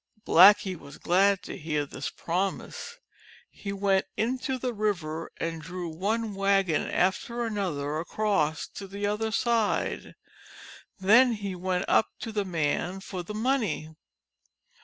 Blackie was glad to hear this promise. He went 79 JATAKA TALES into the river, and drew one wagon after another across to the other side. Then he went up to the man for the money.